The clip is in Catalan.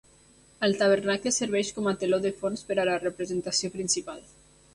El tabernacle serveix com a teló de fons per a la representació principal.